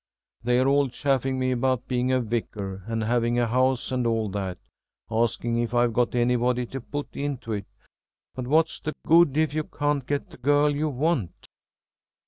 "They are all chaffing me about being a Vicar and having a house and all that. Asking if I've got anybody to put into it. But what's the good if you can't get the girl you want?"